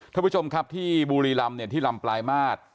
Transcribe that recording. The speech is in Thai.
ท่านผู้ชมครับที่บุรีรำเนี่ยที่ลำปลายมาตร